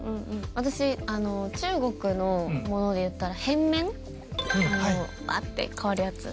私中国のものでいったら変面？バッて変わるやつ。